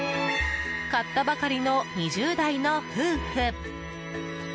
買ったばかりの２０代の夫婦。